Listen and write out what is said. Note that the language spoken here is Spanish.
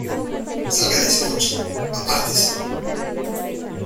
¡ Salga de ese coche! ¡ apártese !